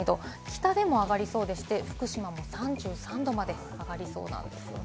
北でも上がりそうですし、福島も３３度まで上がりそうなんです。